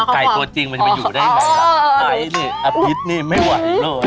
กล่ายตัวจริงมันจะมาอยู่ได้ไงคะไก่นี่อัพฤษนี่ไม่ไหวเลย